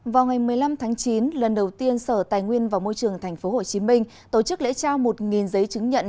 vào ngày một mươi năm tháng chín lần đầu tiên sở tài nguyên và môi trường tp hcm tổ chức lễ trao một giấy chứng nhận